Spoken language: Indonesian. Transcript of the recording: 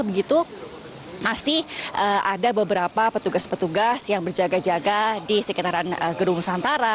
begitu masih ada beberapa petugas petugas yang berjaga jaga di sekitaran gedung nusantara